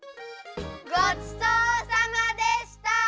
ごちそうさまでした！